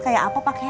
kayak apa pak kemet